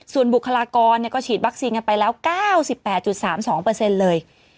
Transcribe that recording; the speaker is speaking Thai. ส่วนบุคลากรก็ฉีดวัคซีนกันไปแล้ว๙๘๓๒เลย